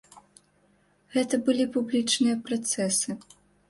Гэта былі публічныя працэсы.